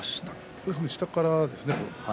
そうですね下からですね